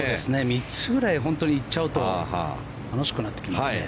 ３つぐらい本当に行っちゃうと楽しくなってきますね